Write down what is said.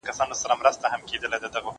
زه به زده کړه کړي وي!!